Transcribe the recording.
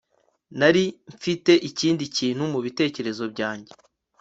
Nari mfite ikindi kintu mubitekerezo byanjye